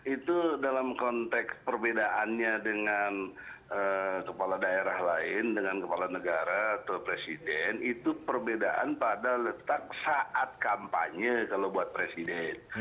itu dalam konteks perbedaannya dengan kepala daerah lain dengan kepala negara atau presiden itu perbedaan pada letak saat kampanye kalau buat presiden